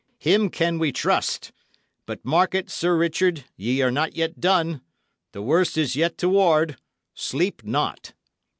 Him can we trust. But mark it, Sir Richard, ye are not yet done. The worst is yet to ward. Sleep not."